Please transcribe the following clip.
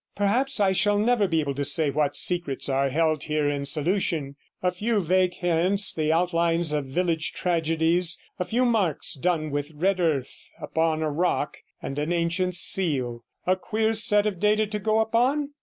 Perhaps I shall never be able to say what secrets are held here in solution; a few vague hints, the outlines of village tragedies, a few marks done with red earth upon a rock, and an ancient seal. A queer set of data to go upon?